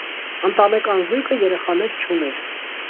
Ընտանեկան զույգը երեխաներ չուներ։